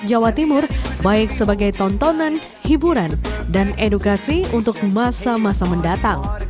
kami juga akan menemani masyarakat jawa timur baik sebagai tontonan hiburan dan edukasi untuk masa masa mendatang